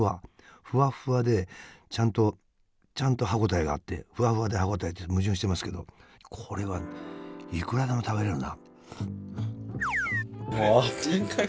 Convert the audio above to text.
ふわふわでちゃんとちゃんと歯応えがあってふわふわで歯応えって矛盾してますけどこれはいくらでも食べれるな。